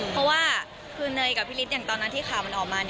เพราะว่าคือเนยกับพี่ฤทธิอย่างตอนนั้นที่ข่าวมันออกมา